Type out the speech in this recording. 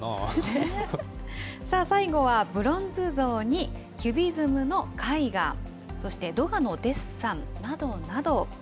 最後はブロンズ像にキュビズムの絵画、そして、ドガのデッサンなどなど。